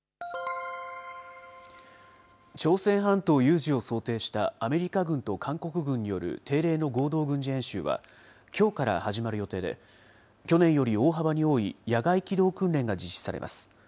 朝鮮半島有事を想定したアメリカ軍と韓国軍による定例の合同軍事演習は、きょうから始まる予定で、去年より大幅に多い野外機動訓練が実施されます。